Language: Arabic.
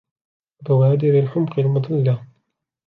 وَبَوَادِرِ الْحُمْقِ الْمُضِلَّةِ